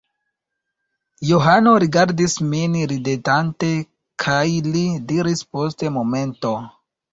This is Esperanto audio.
Johano rigardis min ridetante, kaj li diris post momento: